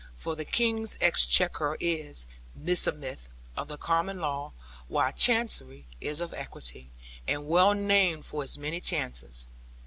For the King's Exchequer is, meseemeth, of the Common Law; while Chancery is of Equity, and well named for its many chances.